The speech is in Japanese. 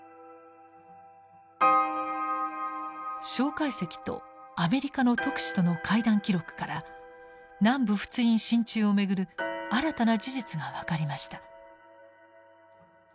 介石とアメリカの特使との会談記録から南部仏印進駐を巡る新たな事実が分かりました。